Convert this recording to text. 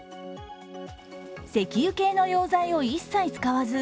石油系の溶剤を一切使わず、